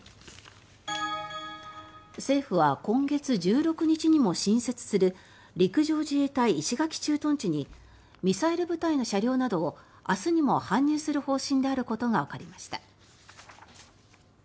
政府は今月１６日にも新設する陸上自衛隊石垣駐屯地にミサイル部隊の車両などを明日にも搬入する方針であることがわかりました。